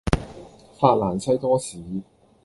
法蘭西多士